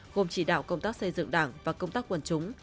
gồm chỉ đạo công tác xây dựng đảng và công tác quần chúng